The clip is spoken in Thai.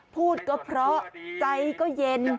พูดก็เพราะใจก็เย็น